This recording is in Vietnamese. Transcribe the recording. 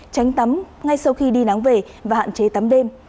tránh tắm ngay sau khi đi nắng về và hạn chế tắm đêm